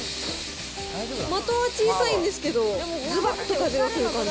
的は小さいんですけど、ずばっと風が来る感じ。